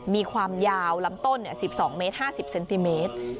มีความยาวลำต้น๑๒เมตร๕๐เซนติเมตร